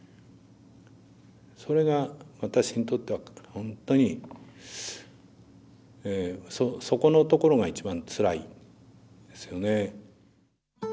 それが私にとっては本当にそこのところが一番つらいですよね。